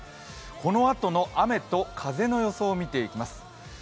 このあとの雨と風の予想を見ていきます。